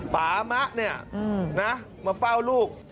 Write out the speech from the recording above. ปามะเนี่ยนะมาเฝ้าลูก